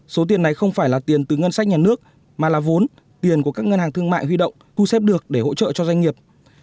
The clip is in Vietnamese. số tiền này không phải là tiền từ ngân sách nhà nước mà là vốn tiền của các ngân hàng thương mại huy động thu xếp được để hỗ trợ cho doanh nghiệp